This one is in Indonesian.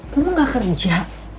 kamu tidak kerja